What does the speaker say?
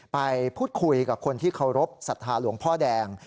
ไปพูดคุยกับคนที่เคารพสัทธาหลวงพ่อแดง